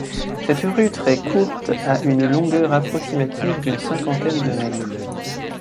Cette rue très courte a une longueur approximative d'une cinquantaine de mètres.